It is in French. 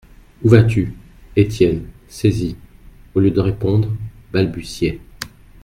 Où vas-tu ? Étienne, saisi, au lieu de répondre, balbutiait.